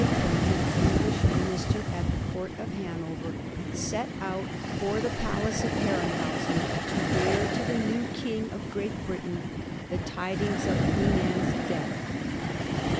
75 appointed English Minister at the Court of Hanover, set out for the palace of Herrenhausen to bear to the new King of Great Britain the tidings of Queen Anne's death.